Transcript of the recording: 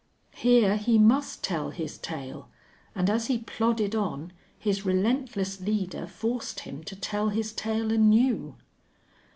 Here he must tell his tale, and as he plodded on his relentless leader forced him to tell his tale anew.